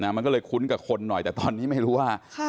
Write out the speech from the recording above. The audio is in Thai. มันก็เลยคุ้นกับคนหน่อยแต่ตอนนี้ไม่รู้ว่า